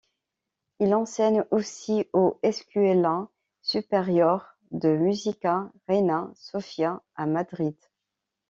Il enseigne aussi au Escuela Superior de Música Reina Sofía à Madrid.